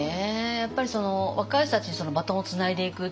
やっぱり若い人たちにバトンをつないでいくっていう。